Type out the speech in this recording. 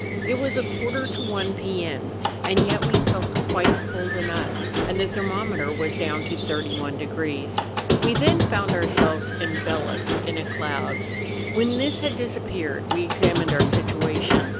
It was a quarter to one p.m., and yet we felt quite cold enough, and the thermometer was down to 31°. We then found ourselves enveloped in a cloud. When this had disappeared we examined our situation.